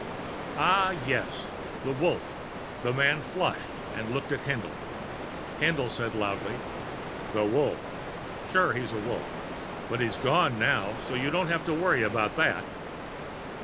"Ah, yes. The Wolf." The man flushed and looked at Haendl. Haendl said loudly: "The Wolf. Sure he's a Wolf. But he's gone now, so you don't have to worry about that."